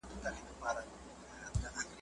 توتکۍ یې کړه په ټولو ملامته `